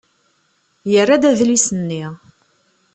Yerra-d adlis-nni.